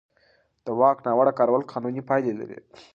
د واک ناوړه کارول قانوني پایلې لري.